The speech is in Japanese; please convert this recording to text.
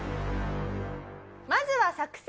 まずは作戦